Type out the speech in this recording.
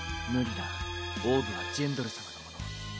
無理だオーブはジェンドル様のもの。